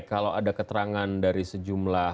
kalau ada keterangan dari sejumlah